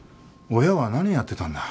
親は何やってたんだ？